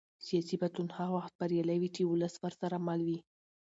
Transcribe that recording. سیاسي بدلون هغه وخت بریالی وي چې ولس ورسره مل وي